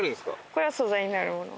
これが素材になるもの。